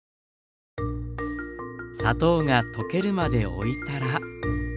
砂糖が溶けるまでおいたら。